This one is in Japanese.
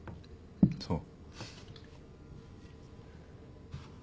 そう。